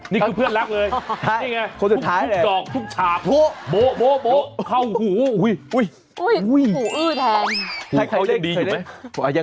นี่คือเพื่อนรักเลย